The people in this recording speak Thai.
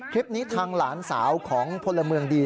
คลิปนี้ทางหลานสาวของพลเมืองดี